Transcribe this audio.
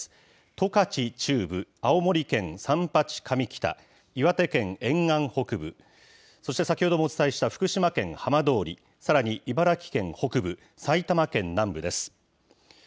十勝中部、青森県三八上北、岩手県沿岸北部、そして、先ほどもお伝えした福島県浜通り、さらに、茨城県北部、埼玉県南部です。